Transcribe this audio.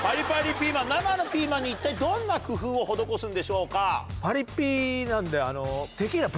ピーマン生のピーマンに一体どんな工夫を施すんでしょうか。